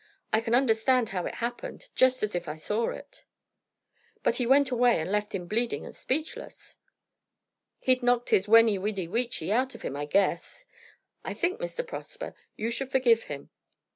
I can understand how it happened, just as if I saw it." "But he went away, and left him bleeding and speechless." "He'd knocked his weni, widi, wici out of him, I guess! I think, Mr. Prosper, you should forgive him." Mr.